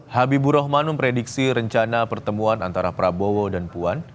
habibur rahman memprediksi rencana pertemuan antara prabowo dan puan